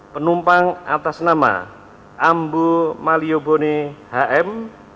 penumpang atas nama ambu maliobone hm